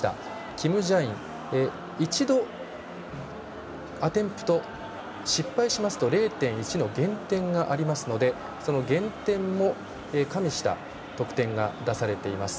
キム・ジャイン、一度アテンプト失敗しますと０．１の減点がありますのでその減点も加味した得点が出てきています。